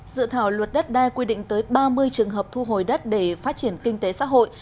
dự thảo luật đất đai quy định tới ba mươi trường hợp thu hồi đất để phát triển kinh tế xã hội